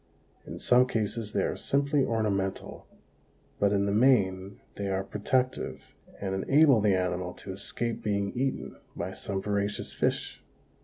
In some cases they are simply ornamental, but in the main they are protective and enable the animal to escape being eaten by some voracious fish.